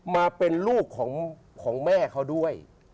มาเป็นลูกของแม่เขาด้วย